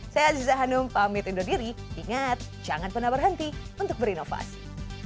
saya aziza hanum pamit undur diri ingat jangan pernah berhenti untuk berinovasi